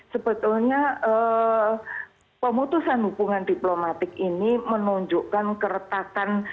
sebetulnya pemutusan hubungan diplomatik ini menunjukkan keretakan